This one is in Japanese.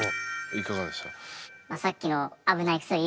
いかがでした？